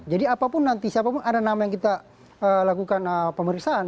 jadi apapun nanti siapapun ada nama yang kita lakukan pemeriksaan